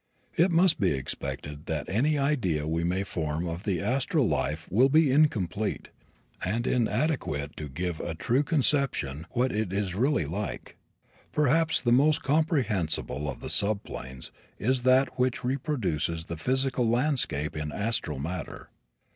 It must be expected that any idea we may form of the astral life will be incomplete, and inadequate to give a true conception what it is really like. Perhaps the most comprehensible of the subplanes is that which reproduces the physical landscape in astral matter.